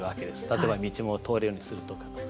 例えば道も通れるようにするとかと。